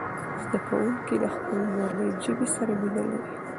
زده کوونکي د خپلې مورنۍ ژبې سره مینه لري.